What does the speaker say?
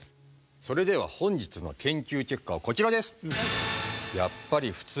それでは本日の研究結果はこちらです！